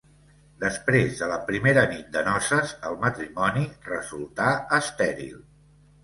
Després de la primera nit de noces el matrimoni resultà estèril.